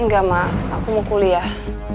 enggak ma aku mau kuliah